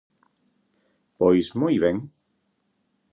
¡Pois, moi ben!